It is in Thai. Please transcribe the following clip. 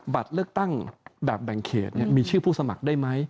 บัตรเลือกตั้งแบบแบ่งเขตมีชื่อผู้สมัครได้ไหม